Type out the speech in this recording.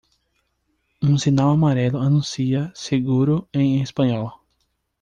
Um sinal amarelo anuncia seguro em espanhol.